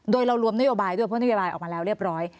โดยเรารวมนโยบายด้วยเพราะนโยบายออกมาแล้วเรียบร้อย